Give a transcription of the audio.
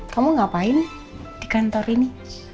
kamu ngapain di kantor ini